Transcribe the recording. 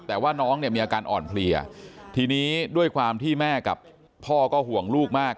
แต่ว่าน้องเนี่ยมีอาการอ่อนเพลียทีนี้ด้วยความที่แม่กับพ่อก็ห่วงลูกมาก